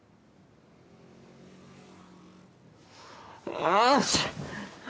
うん！